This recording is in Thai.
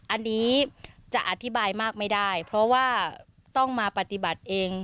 อันนี้จะอธิบายมากไม่ได้เพราะว่าต้องมาปฏิบัติเอง